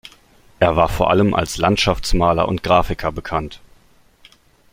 Er war vor allem als Landschaftsmaler und Grafiker bekannt.